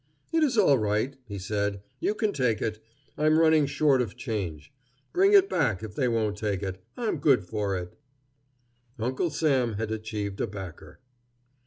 "It is all right," he said; "you can take it; I'm running short of change. Bring it back if they won't take it. I'm good for it." Uncle Sam had achieved a backer.